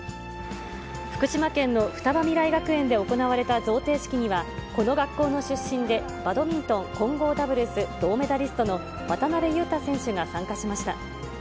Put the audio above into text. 福島県のふたば未来学園で行われた贈呈式には、この学校の出身で、バドミントン混合ダブルス銅メダリストの渡辺勇大選手が参加しました。